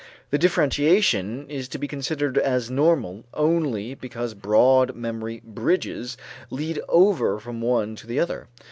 The differentiation is to be considered as normal only because broad memory bridges lead over from one to the other.